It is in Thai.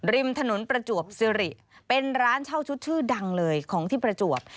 ริมถนนประจวบซิริเป็นร้านเช่าชุดชื่อดังเลยของที่ประจวบ